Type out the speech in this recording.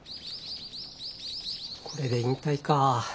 これで引退か。